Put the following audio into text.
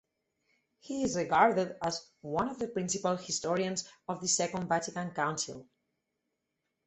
He is regarded as one of the principal historians of the Second Vatican Council.